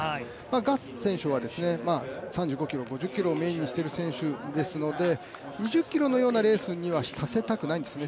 賀相選手は３５ｋｍ５０ｋｍをメインにしている選手なので２０ｋｍのようなレースにはさせたくないんですね。